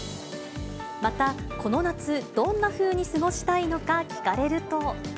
またこの夏、どんなふうに過ごしたいのか聞かれると。